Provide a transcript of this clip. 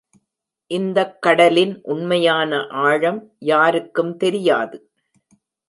இந்தக் கடலின் உண்மையான ஆழம் யாருக்கும் தெரியாது.